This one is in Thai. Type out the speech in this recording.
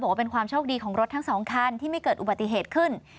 บอกว่าเป็นความโชคดีของรถทั้งสองคันที่ไม่เกิดอุบัติเหตุขึ้น